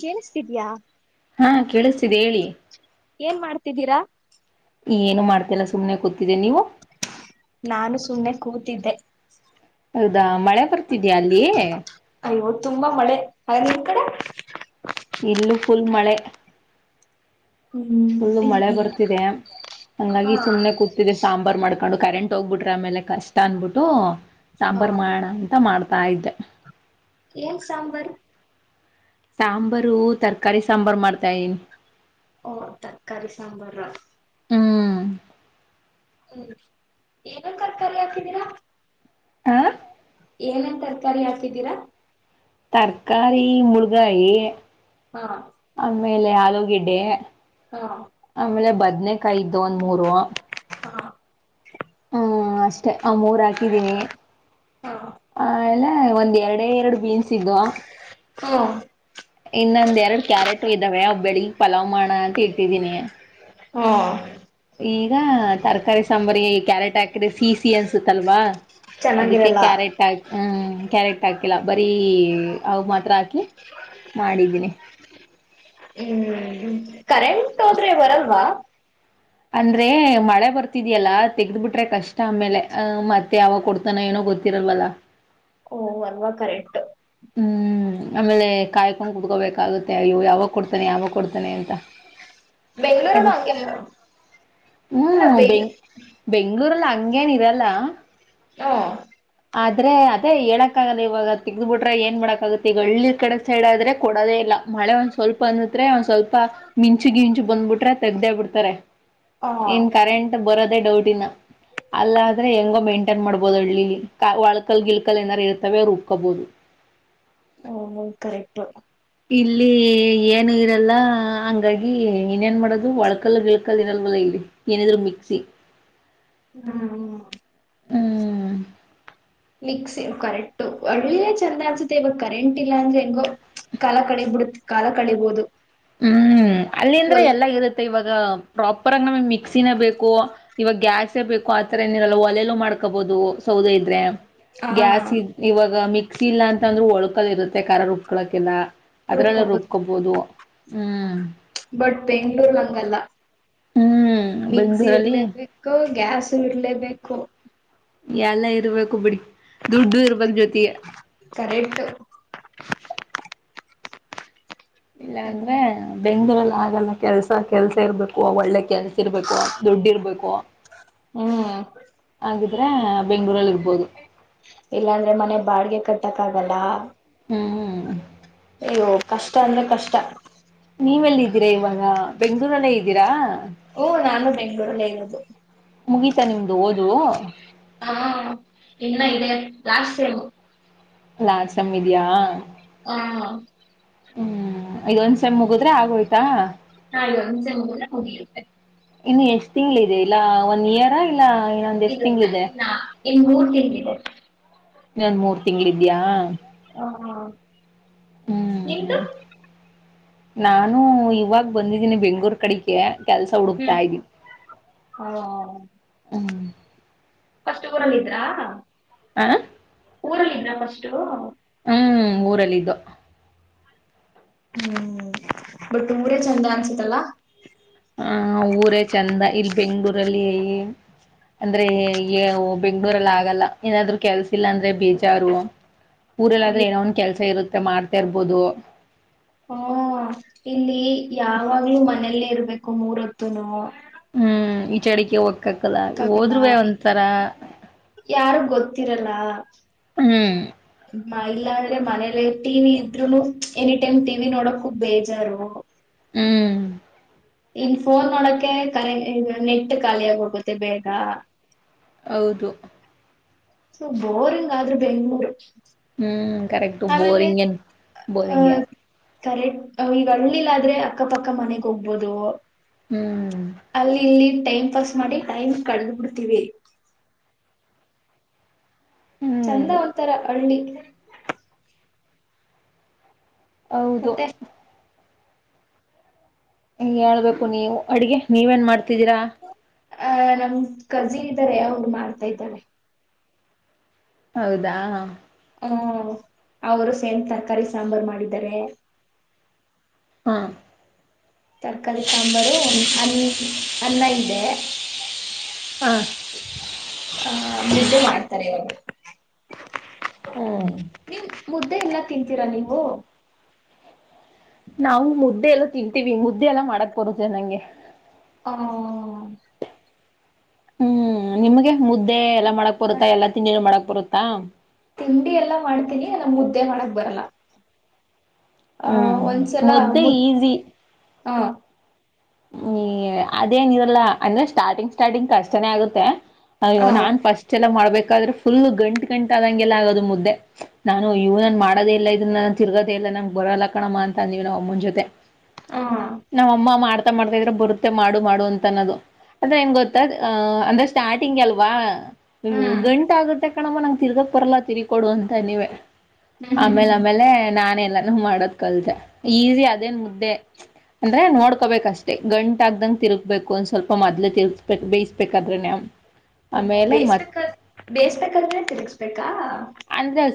ಕ ಸಯಾ ಹಾ ಕೇಳಿಸ್ತಿದೆ ಹೇಳಿ ಏನ್ ಮಾಡ್ತಿದ್ದೀರಾ ಏನು ಮಾಡ್ತಲ್ಲ ಸುಮ್ಮನೆ ಕೂತ್ತಿದೆ ನೀವು ನಾನು ಸುಮ್ಮ್ನೆ ಕೂತಿದ್ದೆ ಹೌದಾ ಮಳೆ ಬರ್ತಿದ್ಯಾ ಅಲ್ಲಿ ಹ ನಿಮ್ ಕಡೆ ಇಲ್ಲೂ ಫುಲ್ ಮಳೆ ಹ್ಮ್ ಫುಲ್ ಮಳೆ ಬರ್ತಿದೆ ಹಾ ಹಂಗಾಗಿ ಸುಮ್ನೆ ಕೂತಿದೆ ಸಾಂಬಾರ್ ಮಾಡ್ಕೊಂಡು ಕರೆಂಟ್ ತೋಗ್ಬಿಟ್ರ ಆಮೇಲೆ ಕಷ್ಟ ಅನ್ಬಿಟ್ಟು ಹಾ ಸಾಂಬಾರ ಮಾಡ ಅಂತ ಮಾಡ್ತಾ ಇದ್ದೆ ಏನ್ ಸಾಂಬಾರ ಸಾಂಬಾರು ತರಕಾರಿ ಸಾಂಬಾರು ಮಾಡ್ತಾನ್ ಓ ತರ್ಕಾರಿ ಸಾಂಬಾರ ರಾ ಹ್ಮ್ ಹ್ಮ್ ಏನನ್ ತರಕಾರಿ ಹಾಕಿದೀರಾ ಆಾ ಏನೇನ್ ತರಕಾರಿ ಹಾಕಿದ್ದೀರಾ ತರಕಾರಿ ಮುಳಗಾಯ ಹಾ ಆಮೇಲೆ ಹಲೂ ಗಿಡ್ಡೆ ಹಾ ಆಮೇಲೆ ಬ ಹದ್ನೇಕಾಯಿ ಇದು ಒಂದ್ ಮೂರು ಹಾ ಹಾ ಅಷ್ಟೇ ಆ ಮೂರ್ ಹಾಕಿದೀನಿ ಹಾ ಆ ಆಮೇಲೆ ಒಂದ್ ಎರಡ ಎರಡು ಬೀನ್ಸ್ ಇದ್ವಾ ಹ್ಮ. ಇನ್ನೊಂದ್ ಎರಡು ಕ್ಯಾರೆಟು ಇದಾವೆ ಒವ್ ಬೆಳಿಗಿಗ್ ಪಲಾವ್ ಮಾಡ ಅಂತ ಇಟ್ಟಿದೀನಿ. ಹ. ಈಗ ತರಕಾರಿ ಸಾಂಬಾರಿಗೆ ಕ್ಯರೆಟ್ ಹಾಕ ಸೀ ಸಿ ಅನ್ಸುುತ್ತಲ್ವಾ ಅದಕ್ಕೆ ಚೆನ್ನಾಗಿರಲ್ಲ ಕ್ಯರೆಟ್ ಹಾಕ್ ಹ್ಮ್ ಕ್ಯಾರೆಟ್ ಇಲ್ಲ ಬರೀ ಅವ್ ಮಾತ್ರ ಹಾಕಿ ಮಾಡಿದ್ದೀನಿ. ಹ್ಮ್ ಕರೆಂಟ್ ಹೋದ್ರೆ ಬರಲ್ವಾ. ಅಂದ್ರೆ ಮಳೆ ಬರ್ತಿದ್ಯಲ್ಲ ತೆಗ್ದ್ ಬಿಿಟ್ರೆ ಕಷ್ಟ ಆಮೇಲೆ ಅ ಮತ್ತೆ ಯಾವಾಗ ಕೊಡ್ತಾನ ಏನೋ ಗೊತ್ತಿರಲ್ವಲ್ಲ. ಓ ಅಲ್ವ ಕರೆಟು. ಹ್ಮ್ ಆಮೇಲೆ ಕಾಯ್ಕೊಂಡ್ ಕುತ್ಕೋಬೇಕಾಗುತ್ತೆ ಅಯೋ ಯಾವಾಗ ಕೊಡ್ತಾನೆ ಯಾವಾಗ ಕೊಡ್ತಾನೆ ಅಂತ. ಬೆಂಗ್ಳೂರಲ್ಲೂ ಹಂಗೆ ಅಲ್ಲ ಹ್ಮ್ ಬೆಂಗ್ ಬೆಂಗ ಬೆಂಗಗಳೂರುಲ್ಲ ಹಂಗೇನ ಇರಲ್ಲ. ಹ್ಮ. ಆದ್ರೆ ಅದೇ [unintelligible] ಇವಾಗ ತಿಗಿದ್ಬಿಟ್ರೆ ಏನ್ ಮಾಡಕಕ್ಕಾಗುತ್ತೆ ಈಗ ಹಳ್ಳಿ ಕಡೆ ಸೈಡ್ ಆದ್ರೆ ಕೊಡದೇ ಇಲ್ಲ. ಮಳೆ ಒಂದ್ ಸ್ವಲ್ಪ ಅನುದ್ರೆ ಒಂದ್ ಸ್ವಲ್ಪ ಮಿಂಚುಗಿಂಚು ಬಂದ್ಬಿಟ್ರೆ. ತೆಗ್ದೇ ಬಿಡ್ತಾರೆ. ಹ ಇನ್ ಕರೆಂಟ್ ಬ ಅದೆ ಡೌಟ್ ಇಿನ ಅಲಾದ್ರೆ ಹೆಂಗೋ ಮೇಂಟೈನ್ ಮಾಡ್ಬೋದು ಹಳ್ಳಿಲ್ಲಿ. ವಳಕಲ್ ಗಿಲ್ಕಲ್ ಏನಾರ ಇರ್ತವೆ ರೂಬ್ಕೋಬೋದು. ಹ್ಮ ಕರೆಕ್ಟ್. ಇಲ್ಲಿ ಏನು ಇರಲ್ಲ ಹಂಗಾಗಿ ಇನ್ನೇನ್ ಮಾಡದು ಒಳ್ಕಲ್ ಗಿಳ್ಕಲ್ ಇರಲ್ವಲ್ಲ ಇಲ್ಲಿ ಏನಿದ್ರು ಮಿಕ್ಸಿ. ಹ್ಮ. ಹ್ಮ. ಮಿಕ್ಸ್ ಕರೆಕ್ಟು ಹಳ್ಳಿಲೆ ಚಂದ ಅನ್ಸುತ್ತೆ ಇವಾಗ ಕರೆಂಟ್ ಇಲ್ಲ ಅಂದ್ರೆ ಹೆಂಗೋ ಕಾಲ ಕಳಿದ್ಬಿಡುತ್ತೆ ಕಾಲ ಕಳಬೋುದು. ಹ್ಮ್. ಅಲ್ಲಿಂದ್ರೆ ಎಲ್ಲ ಇರುತ್ತೆ ಇವಾಗ. ಪ್ರಾಪರ್ ಆಗ ನಮಿಗ್ ಮಿಕ್ಸಿನೆ ಬೇಕು ಇವಾಗ ಗ್ಯಾಸೇ ಬೇಕು ಆತರ ಏನಿರಲ್ಲ ಒಲೆಲು ಮಾಡ್ಕೋಬಹುದು ಸೌದೆ ಇದ್ರೆ. ಹಾ ಗ್ಯಾಸ್ ಇದ್ ಇವಾಗ ಮಿಕ್ಸಿ ಇಲ್ಲಾಂತಂದ್ರು ಒಳ್ಕಲ್ ಇರುತ್ತೆ ಖಾರ ರುಬ್ಕೊಳ್ಳೋಕೆಲ್ಲ. ಅದ್ರಲ್ಲು ರುಬ್ಕೋಬೋದು ರುಬ್ಕೊಬೋದು. ಹ್ಮ. ಬಟ್ ಬೆಂಗಳೂರ್ ಹಂಗಲ್ಲ. ಹ್ಮ್ ಮಿಕ್ಸಿ ಬೆಂಗ್ಳೂರಲ್ಲಿ ಇರ್ಲೇಬೇಕು ಗ್ಯಾಸು ಇರ್ಲೇಬೇಕು. ಎಲ್ಲ ಇರ್ಬೇಕು ಬಿಡಿ ದುಡ್ಡು ಇರ್ಬೇಕ್ ಜೊತಿಗೆ. ಕರೆಟು. ಇಲ್ಲ ಅಂದ್ರೆ ಬೆಂಗ್ಗಳೂರ್ ಆಗಲ್ಲ ಕೆಲ್ಸ ಕೆಲ್ಸ ಇರ್ಬೇಕು ಒಟಿ ಕೆಲಸಿರ್ಬೇಕು ದುಡ್ಡಿರ್ಬೇಕು ಹ್ಮ್ ಹಾಗಿದ್ರೆ ಬೆಂಗಳೂರಲ್ಲಿ ಇರ್ಬೋದು. ಕಟ್ಟಕಾಗಲ್ಲ. ಹ್ಮ ಅಯ್ಯೋ ಕಷ್ಟ ಅಂದ್ರೆ ಕಷ್ಟ ನೀವೆಲ್ಲ ಇದ್ದೀರಾ ಇವಾಗ ಬೆಂಗ್ಗಳೂರಲ್ಲೇ ಇದ್ದೀರಾ ಹ್ಮ ನಾನು ಬೆಂಗ್ಳೂರಲ್ಲೇ ಇರೋದು ಮುಗಿತಾ ನಿಮ್ದು ಓದು [unintelligible] ಹಾ ಇನ್ನ ಇದೆ ಲಾಸ್ಟ್ ಸೇಮ್ ಲಾಸ್ಟ್ ಸೇಮ್ ಇದಿಯಾ ಹಾ ಹ್ಮ್ ಇದೊಂದ್ಸ್ ಮುಗುದ್ರೆ ಆಗೋಯ್ತಾ ಇವಾಗ ಒಂದ್ ಸೆಮ್ ಮುಗಿದ್ರೆ [unintelligible] ಇನ್ನು ಎಷ್ಟು ತಿಂಗಳ ಇದೆ ಇಲ್ಲ ಒನ್ ಇಯರ್ ಆಗ ಇಲ್ಲ ಇಲ್ಲ ಇನ್ನ ಇನ್ ಮೂರ್ ತಿಿಂದಿದೆ ನನ್ ಮೂರ್ ತಿಂಗ್ಳಿದ್ಯಾ ನಿಮ್ದು ಹ್ಮ್ ನಾನು ಇವಾಗ ಬಂದಿದ್ದೀನಿ ಬೆಂಗಳೂರು ಕಡಿಕೆ ಕೆಲ್ಸ ಹುಡುಕ್ತಾ ಹ್ಮ್ ಇದೀವಿ ಹ್ಮ್ ಫಸ್ಟ್ ಊರಲ್ ಇದ್ರಾ ಆ ಊರಲ್ಲ ಇದ್ರ ಫಸ್ಟು ಹ್ಮ್ ಊರಲ್ಲಿದ್ದು ಹ್ಮ್ ಬಟ್ ಊರ ಚಂದ ಅನ್ಸತಲ್ಲ ಹ ಊರೇ ಚಂದ ಇಲ್ಲಿ ಬೆಂಗ್ಳೂರಲ್ಲಿ ಅಂದ್ರೆ ಬೆಂಗ್ಳೂರಲ್ಲಿ ಆಗಲ್ಲ ಏನಾದ್ರು ಕೆಲ್ಸಿಲ್ಲ ಅಂದ್ರೆ ಬೀಜಾರು ಊರಲ್ಲಾದ್ರ ಅಯ್ಯೋ ಏನೋ ಒ್ ಕೆಸ ಇರುೆ ಮ ಮಾಡ್ತಾ ಇರ್ಬೋದು ಹ್ಮ ಇಲ್ಲಿ ಯಾವಾಗ್ಲೂ ಮನೇಲ್ಲೇ ಇರ್ಬೇಕು ಮೂರತ್ತುನು ಹ್ಮ್ ಈ ಚಡಿಿಗೆ ಹೋಗ್ತ ಕ್ಕಕ್ಕಲ್ಲ ಆಗಲ್ಲ ಹೋದ್ರೇ ಒಂಥರ ಯಾರು ಗೊತ್ತಿರಲ್ಲ ಹ್ಮ್ ಇಲ್ಲ ಅಂದ್ರೆ ಮನೇಲೆ ಟಿವಿ ಇದ್ರುನು ಎನಿ ಟೈಮ್ ಟಿವಿ ನೋಡಕ್ು ಬೇಜಾರು ಹ್ಮ್ ಇನ್ ಫೋನ್ ನೋಡಕ ಕನೆ ನೆಟ್ ಖಾಲಿ ಆಗ ಹೋಗುತ್ತೆ ಬೇಗ ಹೌದು ಸೊ ಬೋರಿಂಗ್ ಆದ್ರೆ ಬೆಂಗ್ಳೂರು ಹ್ಮ್ ಕರೆಕ್ು ಆಮೇಲೆ ಬೋರಿಂಗ ಆ ಬೋರಿಂಗ ಕರೆಕ್ಟ್ ಈಗ ಹಳ್ಳಿಿಲ್ಲ ಆದ್ರೆ ಅಕ್ಕಪಕ್ಕ ಮನೆಗ್ ಹೋಗ್ಬೋದು ಹ್ಮ್ ಅಲ್ಲಿ ಇಲ್ಲಿ ಟೈಮ್ ಪಾಸ್ ಮಾಡಿ ಟೈಮ್ ಕಡ್ದ ಬಿಡ್ತೀವಿ ಚಂದ ಹ್ಮ್ ಹೋಗ್ತಾರ ಹಳ್ಳಿ [unintelligible] ಹೌದು ಮತ್ತೆ ಹೇಳ್ಬೇಕು ನೀವು ಅಡ್ಗೆ ನೀವೇನ್ ಮಾಡ್ತೀ ತಿದ್ದೀರಾ ಅಹ ನಮ ಕಜಿನ್ ಇದ್ದಾರೆ ಅವ್ರು ಮಾಡ್ತಾ ಇದ್ದಾರೆ ಹೌದಾ ಹ್ಮ ಅವರು ಸೇಮ ತರಕಾರಿ ಸಾಂಬಾರು ಮಾಡಿದ್ದಾರೆ ಹಾ ತರ್ಕಾರಿ ಸಾಂಬಾರು ಅ ಅನ್ನ ಇದೆ ಹಾ ಆ ಮುದ್ದೆ ಮಾಡ್ತಾರೆ ಅವವರು ಹ್ಮ್ ನಿಮ್ ಮುದ್ದೆ ಎಲ್ಲ ತಿಂತೀರಾ ನೀವು ನಾವು ಮುದ್ದೆ ಎಲ್ಲ ತಿನ್ವಿ ಮುದ್ದೆ ಎಲ್ಲ ಮಾಡಕ್ ಬರುತ್ತೆ ನಂಗೆ ಹ ಹ್ಮ್ ನಿಮ್ಗೆ ಮುದ್ದೆ ಎಲ್ಲ ಮಾಡಕ್ ಬರುತ್ತಾ ಎಲ್ಲ ತಿಂಡಿ ಮಾಡಕ್ ಬರುತ್ತಾ ತಿಂಡಿ ಎಲ್ಲ ಮಾಡ ಮುದ್ದೆ ಮಾಡಕ್ ಬರಲ್ಲ ಆ ಹ್ಮ್ ಹ್ಮ್ ಮುದ್ದೆ ಈಸಿ ಹಾ ಹ್ಮ್ ಅದೇನ ಇರಲ್ಲ ಅಂದ್ರೆ ಸ್ಟಾರ್ಟಿಂಗ್ ಸ್ಟಾರ್ಟಿಂಗ್ ಕಷ್ಟನೇ ಆಗುತ್ತೆ ಅ ಆ ನಾನ್ ಫಸ್ಟ್ ಎಲ್ಲ ಮಾಡ್ಬೇಕು ಯಾಾದ್ರೆ ಫುಲ್ ಗಂಟ್ಗಂಟ ಆದಂಗೆಲ್ಲ ಆಗೋದು ಮುದ್ದೆ ನಾನು ಇವ್ ನಾನನ್ ಮಾಡೋದೇ ಇಲ್ಲ ಇದನ್ನ ನ ತಿರುಗೋ ಇಲ್ಲ ನಂಗೆ ಬರಲ್ಲ ಕಣಮ್ಮ ಅಂತ ಅಂದಿವವಿ ನಾ ಅಮ್ಮನ ಜೊತೆ ಆ ನಮ್ಮಮ್ಮ ಮಾಡ್ತ ಮಾಡ್ತಾ ಇದ್ರೆ ಬರುತ್ತೆ ಮಾಡು ಮಾಡು ಅಂತ ಅನ್ನೋದು ಅದ್ರ ಗ ಗೊತ್ತ ಅಂದ್ರೆ ಸ್ಟಾರ್ಟಿಂಗ್ ಅಲ್ವಾ ಹ್ಮ್ ಗಂಟ ಆಗುತ್ತೆ ಕಣಮ್ಮ ನಂಗೆ ತಿರ್ಗಕ್ ಬರಲ್ಲ ತಿರಿಕೊಡು ಅಂತ ನೀವವೆ ಹ್ಮ್ ಹ್ಮ್ ಹ್ಮ್ ಆಮೇಲೆ ಹ್ಮ್ ಆಮೇಲೆ ನಾನೇ ಮಾಡೋದ್ ಕಲ್ತೆ ಈಸಿ ಅದೇನ್ ಮುದ್ದೆ ಅಂದ್ರೆ ನೋಡ್ಕೋಬೇಕಷ್ಟೇ ಮೆ ಗಂಟಾಗ್ದಂಗಗೆ ತಿರುಗ್ಬೇಕು ಒಂದ್ ಸ್ವಲ್ಪ ಮೊದ್ಲೆ ತಿರುಗ್ಬೇಕಕ್ ಬೇಯಿಸ್ಬೇಕಾದ್ರೆ ನ್ ಓ ಬೇಯಿಸಬೇಕಾದ ಬೇಯಸ್ಬೇಕಾದ್ರೆ ತಿರ್ಗ್ಸ್ಬೇಕಾ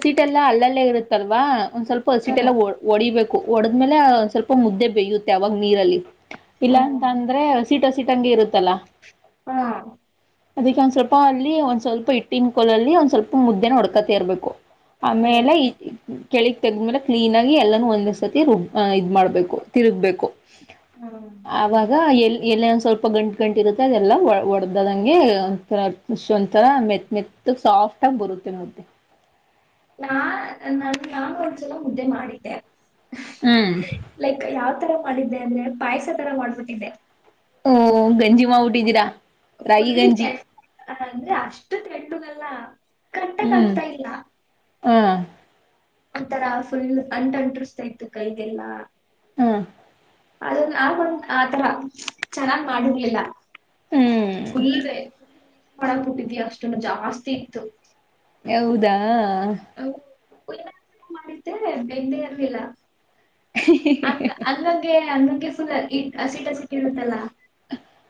ಸೀಟೆಲ್ಲ ಅಲ್ಲಲ್ಲೇ ಇರುತ್ತಲ್ವಾ ಒಂದ್ ಸ್ವಲ್ಪ ಹ್ಮ್ ಅಸಟೆಲ್ಲ ಒ ಹೊಡಿಬೇಕು ಹೊಡದ್ಮೇಲೆ ಸ್ವಲ್ಪ ಮುದ್ದೆ ಬೇಯ್ಯುತ್ತೆ ಅವಾಗ ನೀರಲ್ಲಿ ಇಲ್ಲ ಅಂತ ಹ್ಮ್ ಅಂದ್ರೆ ಹಸಿ ಹಿಟ್ಟಿ ಇರುತ್ತಲ್ಲಾ ಹಾ ಅದಿಕ್ಕೆ ಒಂದ್ ಸ್ವಲ್ಪ ಅಲ್ಲಿ ಒಂದ್ ಸ್ವಲ್ಪ ಹಿಟ್ಟಿನ ಕೋಲಲ್ಲಿ ಒಂದ್ ಸ್ವಲ್ಪ ಮುದ್ದೆನ ಹೊಡ್ಕತ ಇರ್ಬೇಕು ಆಮೇಲೆ ಓಕೆ ಕೆಳಗ್ ತೆಗ್ದ್ಮೇಲೆ ಕ್ಲೀನ್ ಆಗಿ ಎಲ್ಲಾನೂ ಒಂದೇಸರ್ತಿ ರುಬ್ ಇದ್ ಮಾಡ್ಬೇಕು ತಿರುಗ್ಬೇಕು ಹ್ಮ್ ಅವಾಗ ಎಲ್ ಎಲ್ಲಿ ಒಂದ ಸ್ವಲ್ಪ ಗಂಟು ಗಂಟಿ ಇರುತ್ತೆ ಅದೆಲ್ಲ ಒಡೆದದಂಗೆ ಒಥರ ಒಂಥರ ಮೆತ್ ಮೆತ್ತ ಸಾಫ್ಟ್ ಆಗಿ ಬರುತ್ತೆ ಮತ್ತೆ ನಾ ನ ನಾ ಒಂದ್ಸಲ ಮುುದ್ದೆ ಮಾಡಿದ್ದೆ ಹ್ಮ್ ಲೈಕ್ ಯಾವತರ ಮಾಡಿದ್ದೆ ಅಂದ್ರೆ ಪಾಯಸ ತರ ಮಾಡ್ಬಿಟ್ಟಿದ್ದೆ ಓ ಗಂಜಿ ಮಾಡ್ಬಿಟಿದಿರ ಫುಲ್ ಟೇ ಅಂದ್ರೆ ಅಷ್ಟು ಕೆಟ್ಟು ನಾ... ಅಲ್ಲ ಕರೆಕ್ಟ್ಗ ಹ್ಮ್ ಆಗ್ತಾ ಇಲ್ಲ ಹಾ ಒಥರ ಫುಲ್ ಅಂಟ ಅಂಟಸ್ತಾ ಇತ್ತು ಕೈಗೆಲ್ಲಾ ಹ್ಮ್ ಅದು ನಾವ ಒಂದ ಆತರ ಚೆನ್ನಾಗ್ ಮಾಡಿರ್ಲಿಲ್ಲ ಹ್ಮ್ ಫುಲ್ವೆ ಫುಲ್.. ಮಾಡಾಕ್ಬುಟ್ಟಿದೀ ಅಷ್ಟೊನು ಜಾಸ್ತಿ ಇತ್ತು ಹೌದಾ ಹೌ ಮಾಡಿದ್ದೇ ಬೆಂದೆ ಇರ್ಲಿಲ್ಲ ಅಂ ಅಂಗಂಗೇ ಅಂಗ.. ಫುಲ್ ಇ ಹಸಿಟ್ ಹಸಿಟ್ ಇರುತಲ್ಲ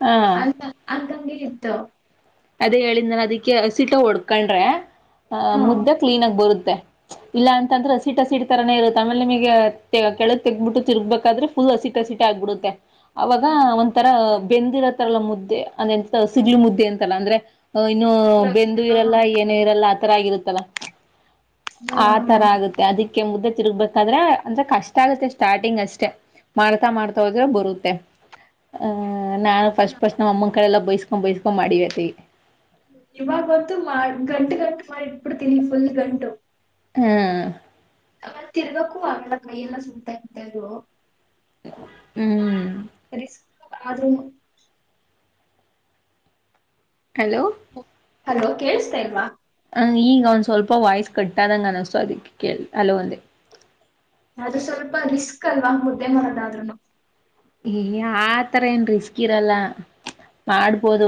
ಹಾ ಅಂ ಅಂಗಂಗೇ.. ಇತ್ತು ಅದೇ ಹೇಳಿದನಲ್ಲ ಅದಿಕ್ಕೆ ಹಸಿಟ ಹೊಡ್ಕೊಂಡ್ರೆ ಆಹ ಹ್ಮ್. ಮುದ್ದೆ ಕ್ಲೀನ್ ಆಗ ಬರುತ್ತೆ ಇಲ್ಲಾ ಅಂತಂದ್ರೆ ಹಸಿಟ್ ಹಸಿಟ್ ತರಾನೇ ಇರುತ್ತೆ ಆಮೇಲೆ ನಿಮಗೆ ಕೆಳಗ್ ತೆಗಬಿಟ್ಟು ತಿರ್ಗ್ಬೇಕಾದ್ರೆ ಫುಲ್ ಹಸಿಟ್ ಹಸಿಟ್ ಆಗ್ಬಿಡುತ್ತೆ. ಅವಾಗ ಒಂಥರ ಅ.. ಬೆಂದಿರತ್ತಲ್ಲ ಮುದ್ದೆ ಅದೆಂತ ಸಿಗ್ಲಿ ಮುದ್ದೆ ಅಂ.... ಚಲ ಅಂದ್ರೆ ಅ ಇನ್ನು ಬೆಂದು ಇರಲ್ಲ ಏನ ಇರಲ್ಲ ಆ ತರ ಆಗಿರುತ್ ತಲ ಆ ತರ ಆಗುತ್ತೆ ಅದಕ್ಕೆ ಮುದ್ದೆ... ತಿರುಗ್ಬೇಕಾದ್ರೆ ಅಂದ್ರೆ ಕಷ್ಟ ಆಗುತ್ತೆ ಸ್ಟಾರ್ಟಿಂಗ್ ಅಷ್ಟೆ ಮಾಡ್ತಾ ಮಾಡ್ತಾ ಹೋದ್ರೆ ಬರುತ್ತೆ ಆ.. ನಾನ್ ಫಸ್ಟ್ ಸ್ಟ್ ನಮ್ಮ ಅಮ್ಮ ಕಡೆಲ್ಲ ಬಯಸ್ ಬೈಸ್ಕೊಂಡ ಮಾಡಿವೆ ತಿ ಇವಾಗ ಗೊತ್ತು ಮಾಡ್ ಗಂಟು ಗಂ.. ಮಾಡ್ ಇಟ್ ಬಿಡ್ತೀನಿ ಫುಲ್ ಗಂಟು ಹ್ಮ ಅವ ತಿರ್ಗಕು ಆಗಲ್ಲ ಕೈಯ ಎಲ್ಲ ಸುಡ್ತಾ ಇತ ಅದು ಹ್ಮ್ ಅದು ಹಲೋ ಹಲೋ ಕೇಳಸ್ತಾ ಇಲ್ವಾ ಈಗ ಒಂದ್ ಸ್ವಲ್ಪ ವಾಯ್ಸ್ ಕಟ್ಟಾದಂಗ ಅನಿಸತು ಅದಕ್ಕೆ ಕೇಳ ಅಲ್ಲೊಂದೇ ಅದು ಸ್ವಲ್ಪ ರಿಸ್ಕ್ ಅಲ್ವಾ ಮುದ್ದೆ ಮಾಡರೋದಾದ್ರುನು ಆತರ ಏನ್ ರಿಸ್ಕ್ ಇರಲ್ಲ ಮಾಡ್ಬೋದು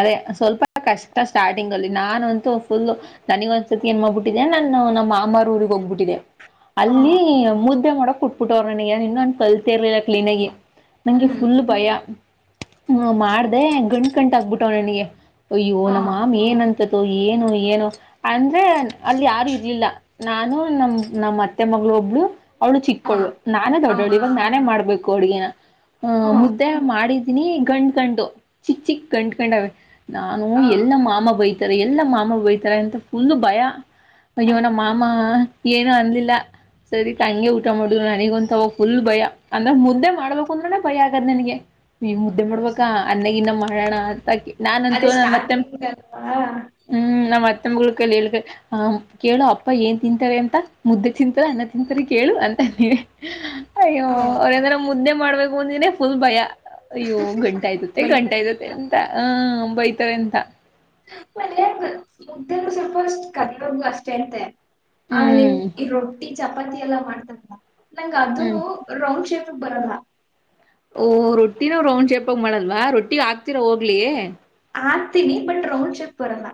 ಅದೇ ಸ್ವಲ್ಪ ಕಷ್ಟ ಸ್ಟಾರ್ಟಿಂಗ್ ಅಲ್ಲಿ ನಾನಂತೂ ಫುಲ್ ದನಿಗ ಒಂದ್ಸತಿ ಏನ್ ಮಾಡ್ಬಿಟ್ಟಿದೆ ನಾನು ನಮ್ಮ ಮಾಮಾರ್ ಊಗ್ ಹೋಗ್ಬಿಟ್ಟಿದೆ ಹ ಅಲ್ಲಿ ಮುದ್ದ ಮಾಡೋಕ್ ಕುಟ್ಬಿಟ್ಟ ಅವ್ ನನಗ ಇನ್ನನ್ನು ಅನ್ ಕಲಿತಿ ಇರ್ಲ ಕ್ಲೀನಗಿ ನಂಗೆ ಹ್ಮ್ ಫುಲ್ ಭಯ ಹ್ಮ ಮಾಡ್ದ ಗಂ ಗಂಟ ಆಗ್ಬಿಟ್ಟವ ನನಗೆ ಅ್ಯ ಹ ನ ಮಾಮ ಏನಂತೆ ಏನು ಏನು ಅಂದ್ರೆ ಅಲ್ಲಿ ಯಾರು ಇರ್ಲಿಲ್ಲ ನಾನು ನಮ ನಮ್ಮ ಅತ್ತೆ ಮಗಳು ಒಬ್ಳು ಅವಳು ಹ ಚಿಕ್ಕಳು ನಾನೇ ದೊಡ್ಡೋಳು ಇವಾಗ ಹ ನಾನೇ ಮಾಡ್ಬೇಕು ಕೊಡುಗೆಿನ ಹ ಹ್ಮ್ ಮುದ್ದೆ ಮಾಡಿದ್ದ ನೀ ಗಂಡ್ಕಂಡು ಚಿಕ್ಕ ಚಿಕ್ ಗಂಡ್ಕಂಡವ ನಾನು ಹ ಎಲ್ಲ ಮಾಮ ಬೈ ಎಲ್ಲ ಮಾಮ ಬೈತಾರೆ ಅಂತ ಫು ಭಯ ಮಜವನ ಮಾಮಾ ಏನು ಅಂದಲಿಲ್ಲ ಸರಿ ತಂಗೆ ಊಟ ಮಾಡ ನನಗೊಂತವ ಫುಲ್ ಭಯ ಅಂದ್ರೆ ಮುದ್ದೆ ಮಾಡ್ಬೇಕ ಕುಂದ್ರ ಬಳಿ ಆಗದ ನನ್ಗೆ ಈ ಮುದ್ದೆ ಮಾಡ್ಬೇಕಾ ಅನ್ನಗ ಇನ್ನ ಮಾಡೋಣ ಅಂತಕ ಅದೇ ನಾನಂತೂ ಮತ್ತೆ ಸ್ಟಾರ್ಟಿಂಗ್ ಅಲ್ವಾ ಹ್ಮ್ ನಮ್ಮತ್ತ ಹೇಳ ಕೇಳು ಅಪ್ಪ ಏನ್ ತಿಂತಾರೆ ಅಂತ ಮುದ್ದ ತಿಂತರ ಅನ್ನ ತಿಂತರಿ ಕೇಳು ಅ ಅ ಅಯ್ಯೋ ಹ್ಮ ಅವೇಂದರೆ ಮುದ್ದೆ ಮಾಡುವ ಮುಂದಿನಫುಲ್ ಭಯಾ ಅಯ್ಯೋ ಗಂಟ ಇದ್ದತ್ತೆ ಗಂಟಾ ಬೈತಾನೆ ಇದತ್ತೆ ಅಂತ ಎಂತ ಆ ಬಯ್ತವೆಂತ ಮನ ಮುದ್ದೆಗ ಸ್ವಲ್ಪ ಅಷ್ಟ ಕದು ಅಷ್ಟೇ ಅಂತೆ ಆಲ್ಲಿ ಹ್ಮ್ ಈ ರೊಟ್ಟಿ ಚ ಚಪತಿ ಎಲ್ಲ ಮಾಡ್ತ ನಂಗ ಅದು ಹ್ಮ್ ರೌಂಡ್ ಶೇಪ್ ಬರದಾ ಓಹ ರೊಟ್ಟಿನ ರೌಂಡ್ ಚೇಪಾಗ ಮಾಡಲ್ವಾ ರೊಟ್ಟಿ ಹಾಕ್ತಿ ಹೋಗ್ಲಿ ಆಗ್ತೀನಿ ಬಟ್ ರೌಂಡ್ ಚೆಕ್ ಬರಲ್ಲ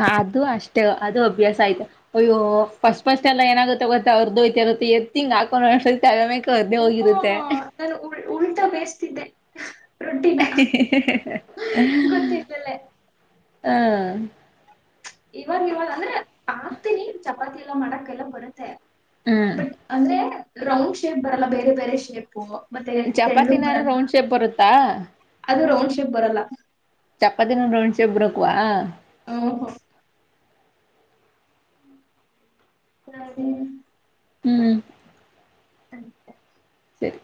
ಹ ಅದು ಅಷ್ಟೇ ಅದು ಅಭ್ಯಾಸ ಆಯ್ತು ಅಯ್ಯೋ ಫಸ್ಟ್ ಫಸ್ಟ್ ಎಲ್ಲ ಏನಾಗುತ್ತೆ ಗೊತ್ತೆ ಅವ್ರದ್ದುಯತತ್ತ ಎತ್ಿಂಗ್ ಹಾಕೊಂಡ್ ಆ ಕರ್ನೆೆ ಓ ಹೋಗಿರುತ್ತೆ ನಾನು ಉಲ್ಟಾ ಬೇಯಸ್ತಿದ್ದೆ ಹ ಗೊತ್ತಿಲ್ಲಲ್ಲೇ ಹ್ಮ ಇವಾಗ ಇವಾಗ ಅಂದ್ರೆ ಪಾತನ ಅವತ್ತಲ್ಲ ಮಾಡಕ್ಕೆೆಲ್ಲ ಬರುತ್ತೆ ಹ್ಮ್ ಬಟ್ ಅಂದ್ರೆ ರೌಂಡ್ ಶೇಪ್ ಬರಲ್ಲ ಬೇರೆ ಬೇರೆ ಶೇಪ್ು ಚಪಾತಿನಾರ ರೌಂಡ್ ಶೇಪ್ ಬರುತ್ತಾ ಬರಲ್ಲ ಚಪಾತಿನ ರೋಣಸ ಒಬ್ರಕ್ವಾ ಹ ಹ ಹಾ ಹ್ಮ್ ಆಯತ ಸರಿ